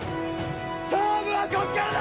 勝負はこっからだ！